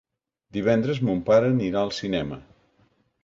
Divendres mon pare anirà al cinema.